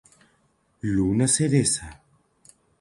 Luna Cereza.